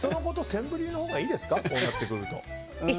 センブリのほうがいいですか、こうなってくると。